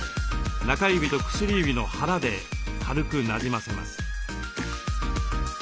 中指と薬指の腹で軽くなじませます。